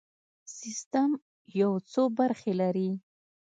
سیستم یو څو برخې لري.